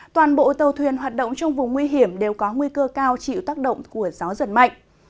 toàn bộ tàu thuyền hoạt động trong vùng nguy hiểm đều có nguy cơ cao chịu tác động của gió giật mạnh